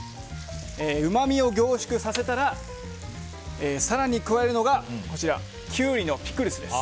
うまみを凝縮させたら更に加えるのがキュウリのピクルスです。